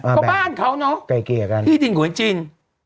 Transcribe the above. ก็บ้านเขาเนอะที่ดินของจิน